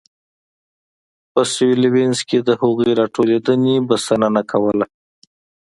په سوېلي ویلز کې د هغوی راټولېدنې بسنه نه کوله.